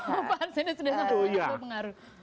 pak hansennya sudah mengharuskan